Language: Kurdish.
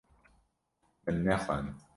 Min nexwend.